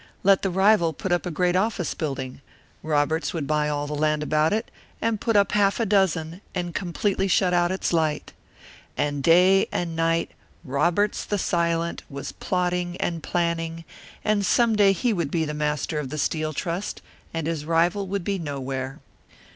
Let the rival put up a great office building, Roberts would buy all the land about it, and put up half a dozen, and completely shut out its light. And day and night "Roberts the Silent" was plotting and planning, and some day he would be the master of the Steel Trust, and his rival would be nowhere.